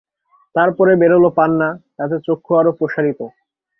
তার পরে বেরোল পান্না, তাতে চক্ষু আরো প্রসারিত।